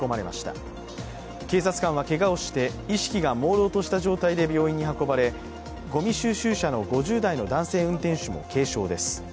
男性警察官はけがをして意識がもうろうとした状態で病院に運ばれ、ごみ収集車の５０代の男性運転手も軽傷です。